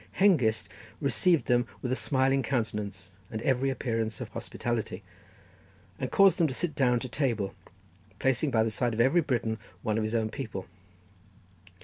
Hengist received them with a smiling countenance, and every appearance of hospitality, and caused them to sit down to table, placing by the side of every Briton one of his own people.